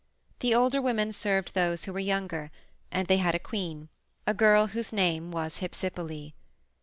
The older women served those who were younger, and they had a queen, a girl whose name was Hypsipyle.